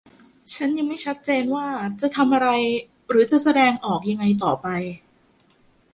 ฉันยังไม่ชัดเจนว่าจะทำอะไรหรือจะแสดงออกยังไงต่อไป